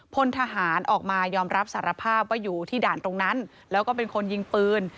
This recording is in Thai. พลทหารออกมายอมรับสารภาพว่าอยู่ที่ด่านตรงนั้นแล้วก็เป็นคนยิงปืน